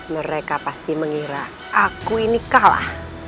mereka pasti mengira aku ini kalah